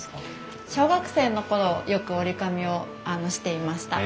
小学生の頃よく折り込みをしていました。